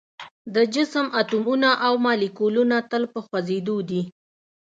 د جسم اتومونه او مالیکولونه تل په خوځیدو دي.